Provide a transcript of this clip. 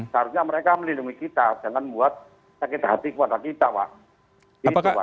seharusnya mereka melindungi kita jangan buat sakit hati kepada kita pak